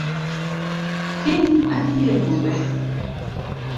Kiny adhi e bura